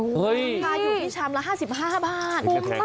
ค่าอยู่ที่ชามละ๕๕บาท